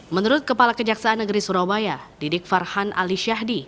menurut kepala kejaksaan negeri surabaya didik farhan alisya